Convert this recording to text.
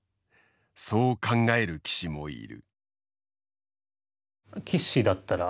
そう考える棋士もいる。